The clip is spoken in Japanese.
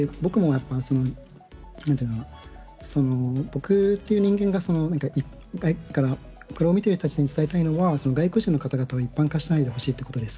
僕もなんていうのかな、僕という人間が、これを見ている人たちに伝えたいのは、外国人の方々を一般化しないでほしいということです。